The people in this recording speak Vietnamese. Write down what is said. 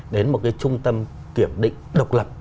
đến một cái trung tâm kiểm định độc lập